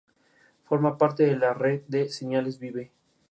La conclusión fue que una delgada capa cubría al núcleo helado del cometa.